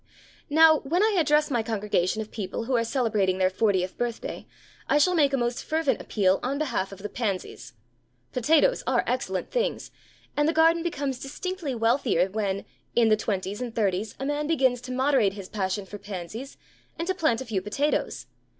Now, when I address my congregation of people who are celebrating their fortieth birthday, I shall make a most fervent appeal on behalf of the pansies. Potatoes are excellent things, and the garden becomes distinctly wealthier when, in the twenties and thirties, a man begins to moderate his passion for pansies, and to plant a few potatoes.